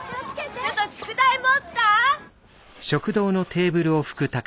ちょっと宿題持った？